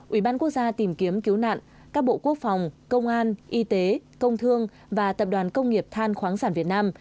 ubnd tìm kiếm cứu nạn các bộ quốc phòng công an y tế công thương và tập đoàn công nghiệp than khoáng sản việt nam